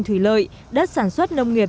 thủy lợi đất sản xuất nông nghiệp